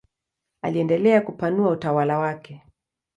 Aliendelea kupanua utawala wake.